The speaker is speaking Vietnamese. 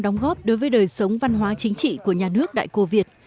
đóng góp đối với đời sống văn hóa chính trị của nhà nước đại cô việt